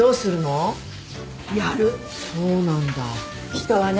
人はね